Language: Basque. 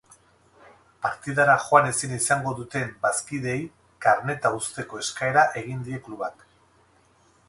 Partidara joan ezin izango duten bazkideei karneta uzteko eskaera egin die klubak.